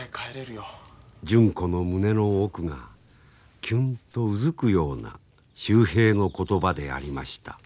純子の胸の奥がキュンとうずくような秀平の言葉でありました。